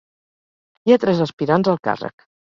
Hi ha tres aspirants al càrrec.